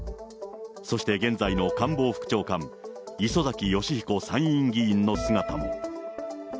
そして現在の官房副長官、磯崎仁彦参院議員の姿も。